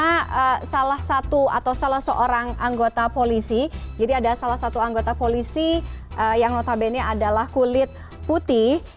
karena salah satu atau salah seorang anggota polisi jadi ada salah satu anggota polisi yang notabene adalah kulit putih